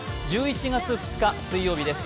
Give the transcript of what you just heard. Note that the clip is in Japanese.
１１月２日水曜日です。